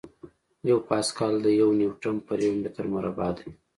یو پاسکل د یو نیوټن پر یو متر مربع دی.